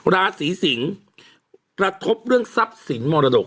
ราศีสิงศ์กระทบเรื่องทรัพย์สินมรดก